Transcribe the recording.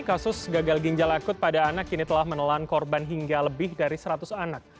kasus gagal ginjal akut pada anak kini telah menelan korban hingga lebih dari seratus anak